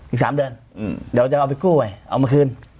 อีก๓เดือนเดี๋ยวจะเอาไปกู้ใหม่เอามาคืน